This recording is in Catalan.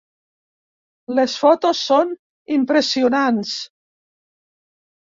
Les fotos són impressionants.